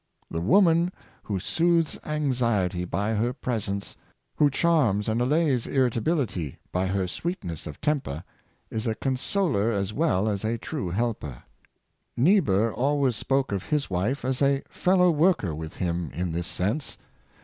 The woman who soothes anxiety by her presence, 37 578 yohn Stuart Mill — Carlyle. who charms and allays irritability by her sweetness of temper, is a consoler as well as a true helper. Niebuhr always spoke of his wife as a fellow worker with him in this sense.